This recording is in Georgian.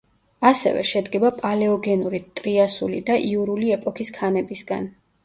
ასევე, შედგება პალეოგენური, ტრიასული და იურული ეპოქის ქანებისგან.